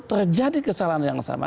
terjadi kesalahan yang sama